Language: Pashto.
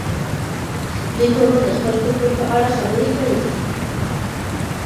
دوی پرون د خپل کلتور په اړه خبرې کړې وې.